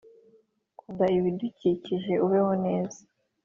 kunda ibidukikije, ubeho neza